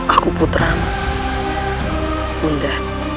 aku putramu bunda